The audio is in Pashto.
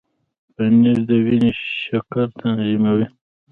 پنېر د وینې شکر تنظیموي.